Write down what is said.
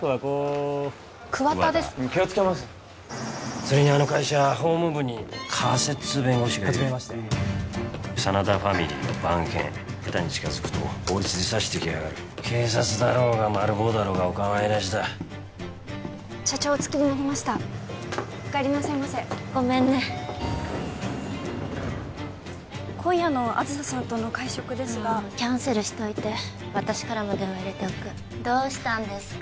それにあの会社法務部に加瀬っつう弁護士がいるはじめまして真田ファミリーの番犬下手に近づくと法律で刺してきやがる警察だろうがマル暴だろうがおかまいなしだ社長お着きになりましたお帰りなさいませごめんね今夜の梓さんとの会食ですがキャンセルしといて私からも電話入れておくどうしたんですか？